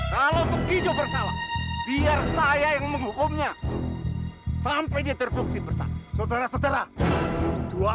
kalau tukijub net ariana yang menghukumnya sampai intertuksi besok saudara saudara hai dua